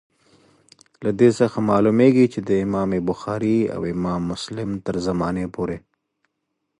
له دې څخه معلومیږي چي د امام بخاري او امام مسلم تر زمانې پوري.